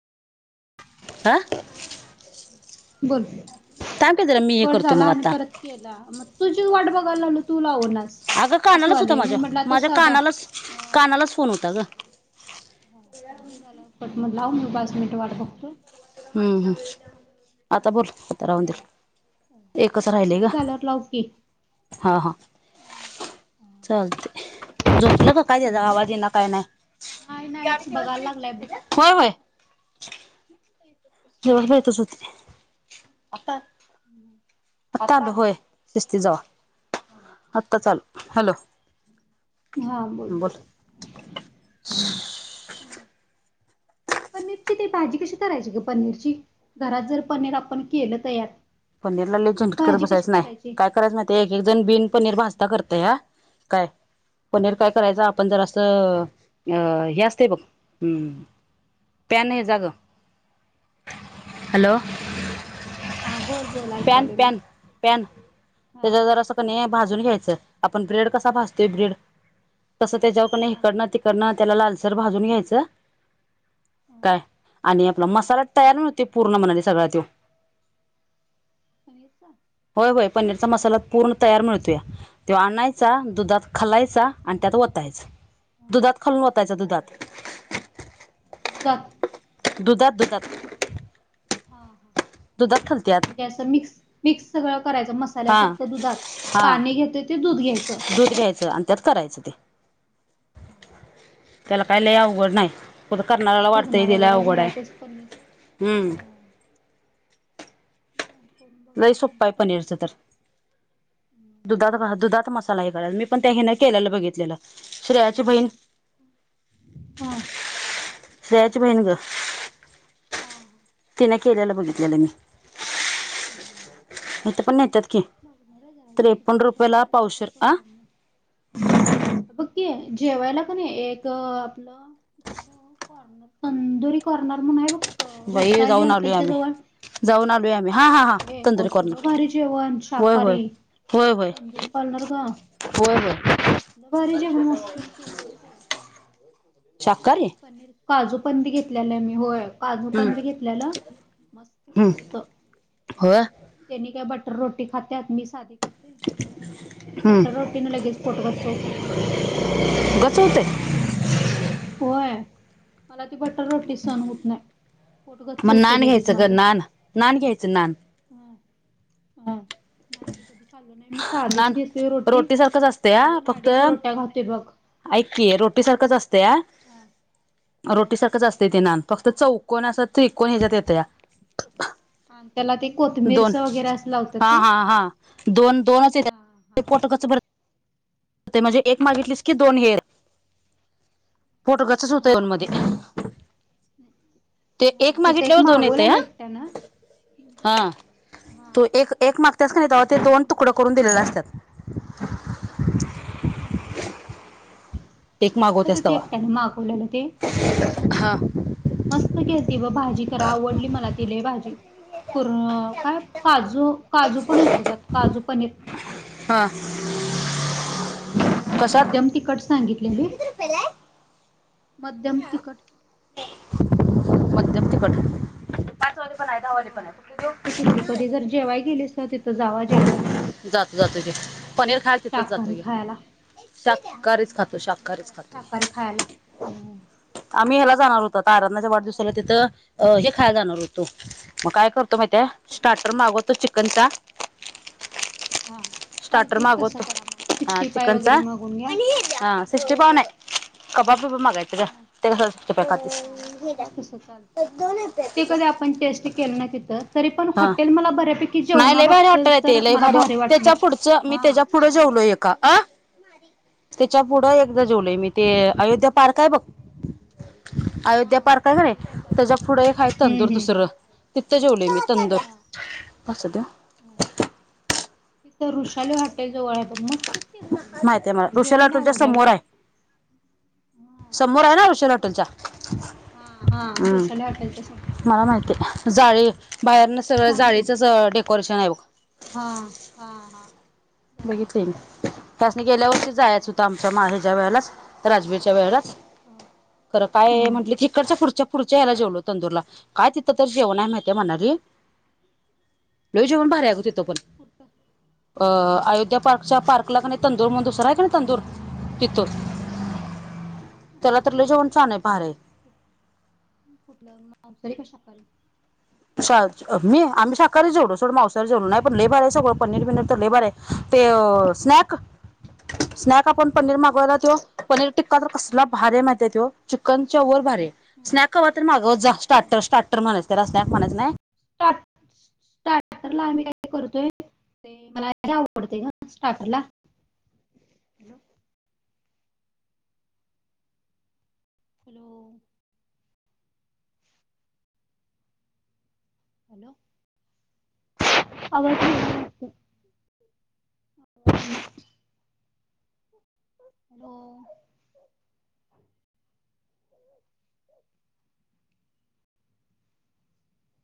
आ.. बोल थांब की जरा मी हे कट करतो झाला. मग आणि आता परत केला. मग तुझी वाट बघायला लागल तू लावणा. अगं कानालाच होतं माझ्या, माझ्या कानालाच -कानालाच फोन होता ग. हा झाल्यावर कट म लाव म पाच मिनट वाट बघतो. हम्म, हम् आता बोल. तर राहूदे एकच तेच की राहिले आहे हे ग झाल्यावर लाव की. हां, हां. चालतय झोपलं का काय? त्याचा आवाज येईना काय नाही. नाही [inaudible] नाही बघायला लागलाय होय, होय. दिवसभर हितच होती ती. [inaudible] आता आली. हम्. [inaudible] आता आलू होय. दिस्ती जाव आताच आलु हॅलो. हा बोल. [inaudible] पनीरची ते भाजी कशी करायची ग. पनीरची घरात जर पनीर आपण केलं तयार. पनीरला लई ती चिंड करत भाजी कशी बसायच नाही काय करायची? काय करायच माहीत आहे का? एक एक जण बिन पनीर भाजता करतया. काय पनीर काय करायचं आप ‌पण जरास असं हे असते बघ हं त्या नाही येत. जा गं हॅलो. हा बोल बोल एक पॅन, पॅन, पॅन हा त्याच्या जरासं हा कनी नाही भाजून घ्यायच आपण ब्रेड कसं भाजतोय हा ब्रेड तसं तेज्यावर कणी हा. हिकडन -तिकडन त्याला लालसर भाजून घ्यायचं. हा. काय आणि आपला मसाला हा तयार न ते पूर्ण म्हणाले सगळ्या तो पनीरचा होय, होय पनीरचा मसाला पूर्ण तयार मिळतोया. तो आणायचा, हा दुधात खालायचा, हा आणि त्यात वतायचा. हा दुधात खलून वतायचा दुधात. [inaudible] दुधात. दुधात, दुधात. हा. दुधात खलत्यात. म्हणजे असं मिक्स, मिक्स सगळं करायचं हा मसाल्यासारखं दुधात हा पाणी घेतय? ते दूध घ्यायचं. दूध घ्यायचं, आणि त्यात करायचं ते. हम. त्याला काय लई अवघड नाही? कुठं करून करणाऱ्याला वाटतंय बघणार आहे. ते लय जरा अवघड आहे घरातच पनीर. हम्म करून लई बघणार आहे म सोप्पा पनीर. पनीरचं तर दुधात, दुधात मसाला हे खलाल, मी पण त्या ह न केलेलं बघितलेलं श्रेयाची बहीण [inaudible] हा. श्रेयाची बहिण ग. हा, हा. तिने केलेल बघितलेल मी. [inaudible] इथ पण नेत्यात की बघणार आहे घरा त्रेपन्न जरा रुपयाला घरातल्या घरातच पावशेर आ करून बघणार बघ की जेवायला पण एक आपलं कॉर्नर तंदुरी कॉर्नर म्हणून हाय बग बाई वृषाली जाऊन आलोय हॉटेलच्या आम्ही जवळ जाऊन आलोय आम्ही हा हा हा ते तंदुरी कसलं कॉर्नर भारी जेवण होय होय शाकाहारी होय होय तंदुरी कॉर्नर ग होय होय कसलं भारी जेवण असतंस ते माहित आहे का शाकाहारी काजू पनीर घेतलेलं मी होय काजू हम्म पनीर घेतलेलं हम्म मस्तचं होत होय त्यांनी काय बटर रोटी खात्यात मी साधी खाते मला हम्म बटर रोटी न लगेच पोट गच्च होतय गच्च होतय होय मला ती बटर रोटी सहन होत नाही पोट गच्च मग होतंय नान लगेच घ्यायचं ग माझं नान नान घ्यायचं नान हा हम कधी खाल्ल नाही मी साधीच नान घेतोय रोटी सारखंच असतंय हा दोन आडीच फक्त रोट्या घातोय बघ ऐक की रोटी सारखंच असतया हा रोटी हा सारखंच असते ते नान फक्त चव कोण असत थिक कोण ह्याच्यात येत या त्याला ते दोन कोथबिरचं वगैरे असं लावत्यात हा हा हा दोन दोनच हा. यांच्यात पोट गच्च भर ते म्हणजे एक मागितलीस की दोन हेर पोट गच्चच होतंय हा येऊन म हा ते ते हा एक तिथे मागितल्यावर दोन येतया मागवलेलं एकट्यानं हा तू एक एक मागत्यास का नाही ते्हा ते दोन तुकडे करून दिलेलं असत्यात हा एक बघितलं का मागवत्यास ते तवा एकट्याने मागवलेला ते? हा मस्त केलती व भाजी तर आवडली मला ति लयं भाजी र काय काजू काजू पण होत त्यात काजू पनीर हां जराम्ही मध्यम तिकट सांगितलेली मध्यम तिकट मध्यम तिखट पाचवाली पण आहे दहावाली हो पण आहे कुठली मस्त देऊ केलती कधी जर जेवाय गेलीस तर तिथं जावा जेवायला जात जातो ग पनीर खायला तिथंच शाकाहारी जातोय ग खायला. शाकाहारीच खातो शाकाहारीच खातो खायाला आम्ही ह्याला जाणार होत आराधनाच्या वाढदिवसाला तिथं अ हे खाय जाणार होतो मग काय करतो माहिती हे कुठं स्टार्टर मागवतो चिकनचा हा स्टार्टर चालते मागवतो तसं करा मग हा सिक्स्टी फाय वगैरे चिकनचा मागून घ्या हा सिष्टी पाव ना नाही कबब वबाब मगायच हा मगग तस चालते ते कधी आपण टेस्ट केलं ना तिथं तरी पण हा हॉटेल मला बऱ्यापैकी नाही जेवणा लय भारी बाबतीत हॉटेल तर ते ल मला भ भारी वाटलं त्याच्या पुढचं हा मी त्याच्या पुढं जेवलो एका अका आ त्यांच्या पुढं एकदां जेवलंय मी ते अयोध्या पार्क आहे बघं अयोध्या पार्क आहे त्यांच्या पुढे आहे एक चं अं हम्म तंदुर हम्म दुसरं तिथं जेवले मी तंदूर अंसू द्या तिथं वुषाली हाटे जवळं आहे बघं मस्तं माहित आहे मलां ऋषला तुच्यांया समोर आहे समोर आहे नां ऋवलं हॉटेलच्यां हा हा हम्मं वृषाली हॉटेलच्या समोर मलां माहिती आहे जाळी बाहेरनं सगळं जाळीचंच डेकोरेशन आहे बघं हां हां हां बघितले त्यांस नाहीं गेल्यां वर्षी जायचं होतं आमच्यां माहेच्यां वेळेला चं राजवीरच्यां वेळेला चं हा खरं कायं हा म्हंटलं तिकडच्यां पुढच्यां पुढच्यां यांयला जेवलो तंदूरलां कायं तिथं तरं जेवणं आहे माहिती आहे म्हणारी लंय जेवणं भारी गं तिथं कुठलं पणं अं हा अयोध्या पार्कच्या पार्क कलां आहे तंदूर मं दूरसरा आहे की नाही तंदूर तिथं हा त्यांला तरं लंय जेवणं छांन आहे भारी आहे कुठलं मवसरी कशा करे आम्हीं सकाळीं जेवलो सोडं मावसायारी जवले नाहीं पणं लयं भारी सगळं पनीर पिनीर तरं लेबर आहे ते स्नॅक स्नॅक आपणं पनीर मागवांयला तो पनीर टिक्कां तरं कसलां हा भारे माहिती ते चिकनच्यां वरं भारी आहे स्नॅक हवां तरं मांगवत जां हा स्टार्टर म्हणायचं त्यांला स्नॅक म्हणायचं नाहीं स्टार्टर आम्हीं कांहीं करतोय. ते मलां लयं आवडते गं स्टार्टर लां हॅलो. हॅलो आवांज हं हो. [inaudible] [unintelligible]